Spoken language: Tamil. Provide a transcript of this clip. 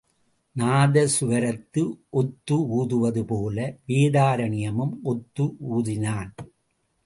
நாதசுவரத்துக்கு ஒத்து ஊதுவது போல வேதாரண்யமும் ஒத்து ஊதினான்.